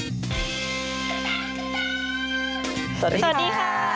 สวัสดีค่ะ